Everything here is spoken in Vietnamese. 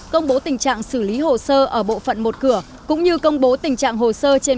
công bố tình trạng xử lý hồ sơ ở bộ phận một cửa cũng như công bố tình trạng hồ sơ trên